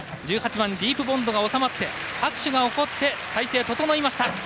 １８番ディープボンドが収まって拍手が起こって態勢が整いました。